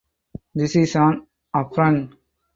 This is an affront.